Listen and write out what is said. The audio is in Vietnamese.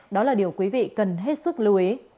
đó là điều quý vị cần hết sức lưu ý